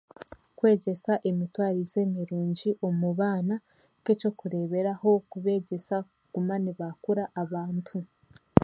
Kwegyesa emitwarize mirungi omu baana nk'ekyokureeberaho kubeegyesa kuguma nibaakura abantu